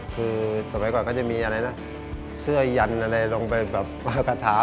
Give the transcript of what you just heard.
คือสมัยก่อนก็จะมีเชื่อยันลงไปมากระถา